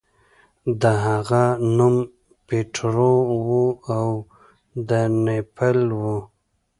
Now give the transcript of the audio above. د هغه نوم پیټرو و او د نیپل و.